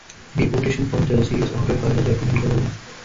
Deportation from Jersey is ordered by the Lieutenant Governor.